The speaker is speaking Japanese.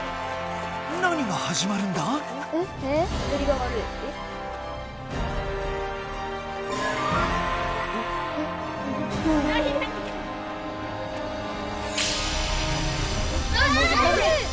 何が始まるんだ？わ！